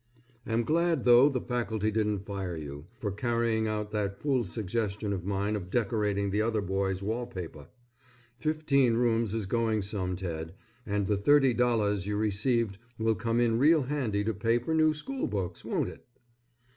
Am glad though the faculty didn't fire you, for carrying out that fool suggestion of mine of decorating the other boy's wall paper. Fifteen rooms is going some Ted, and the $30.00 you received will come in real handy to pay for new school books, won't it?